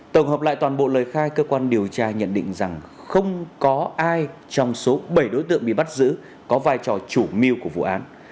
tổng hợp lại toàn bộ lời khai cơ quan điều tra nhận định rằng không có ai trong số bảy đối tượng bị bắt giữ có vai trò chủ mưu của vụ án